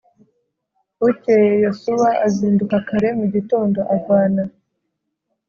Bukeye Yosuwa azinduka kare mu gitondo avana